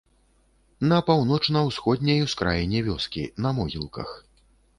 На паўночна-ўсходняй ускраіне вёскі, на могілках.